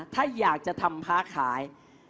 ถ้าอยากจะทำค้าขาย